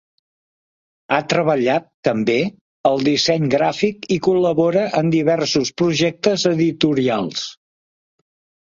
Ha treballat, també, el disseny gràfic i col·labora en diversos projectes editorials.